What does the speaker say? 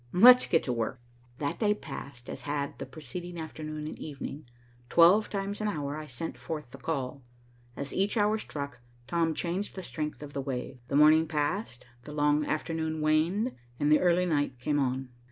"Let's get to work." That day passed as had the preceding afternoon and evening. Twelve times an hour I sent forth the call. As each hour struck, Tom changed the strength of the wave. The morning passed, the long afternoon waned, and the early night came on.